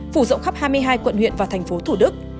phủ rộng khắp hai mươi hai quận huyện và thành phố thủ đức